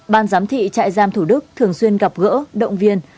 ban giám thị trại giam thủ đức thường xuyên gặp gỡ động viên